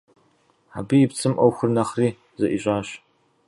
Абы и пцӏым ӏуэхур нэхъри зэӏищӏащ.